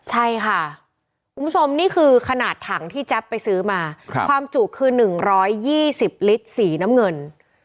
ใช่ค่ะคุณผู้ชมนี่คือขนาดถังที่แจ๊บไปซื้อมาความจุคือ๑๒๐ลิตรสีน้ำเงิน